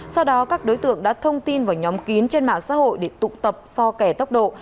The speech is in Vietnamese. sau đó các đối tượng đã thông tin vào nhóm kín trên mạng xã hội để tụ tập so kẻ tốc độ